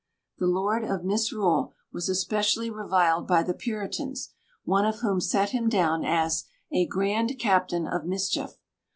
The Lord of Misrule was especially reviled by the Puritans, one of whom set him down as "a grande captain of mischiefe."